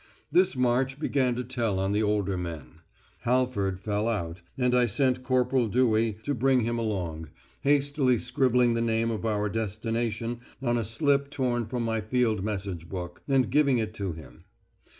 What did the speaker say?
This march began to tell on the older men. Halford fell out, and I sent Corporal Dewey to bring him along, hastily scribbling the name of our destination on a slip torn from my field message book, and giving it to him.